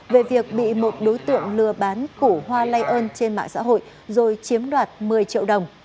về việc bị một đối tượng lừa bán củ hoa lay ơn trên mạng xã hội rồi chiếm đoạt một mươi triệu đồng